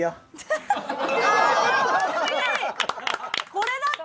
これだった！